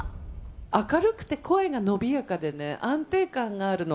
明るくて声が伸びやかで、安定感があるの。